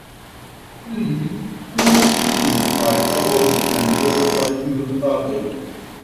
Li plustudis kaj laboris en diversaj universitatoj.